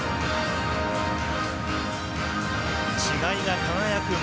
違いが輝く街